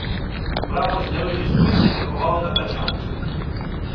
Прапор зняли зі списа й заховали на тачанці.